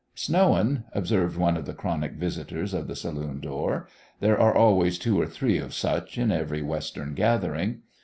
"Snowin'," observed one of the chronic visitors of the saloon door. There are always two or three of such in every Western gathering.